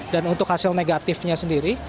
dan untuk hasil negatifnya sendiri